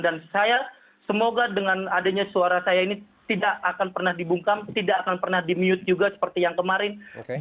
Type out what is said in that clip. dan saya semoga dengan adanya suara saya ini tidak akan pernah dibungkam tidak akan pernah di mute juga seperti yang kemarin